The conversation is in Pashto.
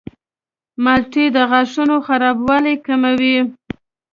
مالټې د غاښونو خرابوالی کموي.